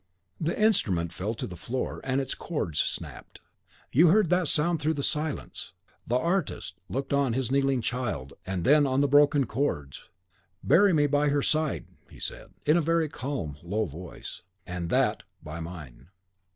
The instrument fell to the floor, and its chords snapped. You heard that sound through the silence. The artist looked on his kneeling child, and then on the broken chords... "Bury me by her side," he said, in a very calm, low voice; "and THAT by mine."